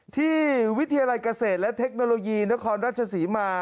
วิทยาลัยเกษตรและเทคโนโลยีนครราชศรีมา